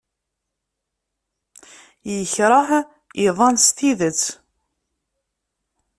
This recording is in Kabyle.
Yekṛeh iḍan s tidet.